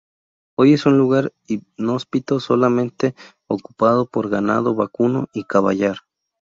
Hoy es un lugar inhóspito solamente ocupado por ganado vacuno y caballar.